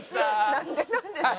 なんでなんですか？